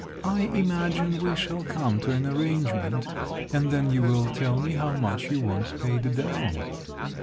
I imagine we shall come to an arrangement, and then you will tell me how much you want paid down.